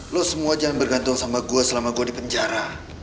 lo semua jangan bergantung sama gue selama gue di penjara